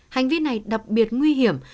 hành vi này đặc biệt nguy hiểm